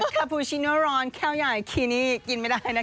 คาฟูชิโนร้อนแก้วใหญ่คีนี่กินไม่ได้นะคะ